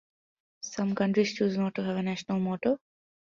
Some countries choose not to have a national motto.